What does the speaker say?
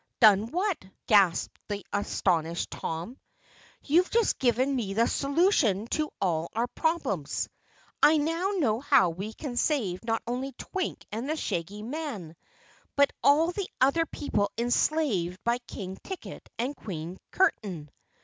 "Done what?" gasped the astonished Tom. "You've just given me the solution of all our problems. I now know how we can save not only Twink and the Shaggy Man, but all the other people enslaved by King Ticket and Queen Curtain!"